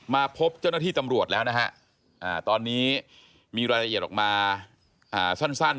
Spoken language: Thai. มาพบเจ้าหน้าที่ตำรวจแล้วนะฮะตอนนี้มีรายละเอียดออกมาสั้น